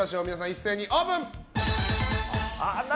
一斉にオープン！